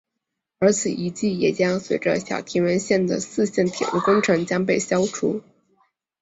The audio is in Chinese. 而此遗迹也将随着小田原线的四线铁路工程被消除。